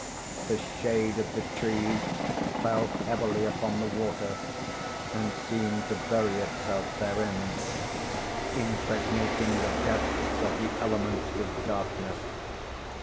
The shade of the trees fell heavily upon the water, and seemed to bury itself therein, impregnating the depths of the element with darkness.